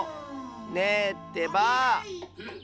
ねえってばあ！